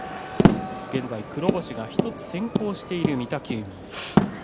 現在、黒星が１つ先行している御嶽海。